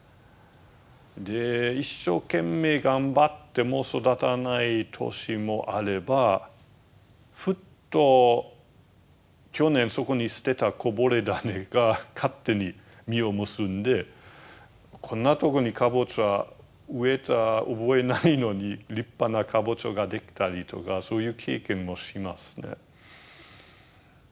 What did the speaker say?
で一生懸命頑張っても育たない年もあればふっと去年そこに捨てたこぼれ種が勝手に実を結んでこんなとこにカボチャ植えた覚えないのに立派なカボチャができたりとかそういう経験もしますね。